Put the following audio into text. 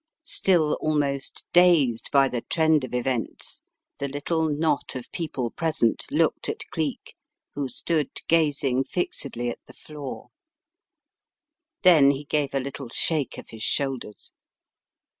Still almost dazed by the trend of events, the little knot of people present looked at Geek who stood gazing fixedly at the floor. Then he gave a little shake of his shoulders.